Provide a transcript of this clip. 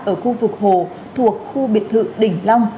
ở khu vực hồ thuộc khu biệt thự đỉnh long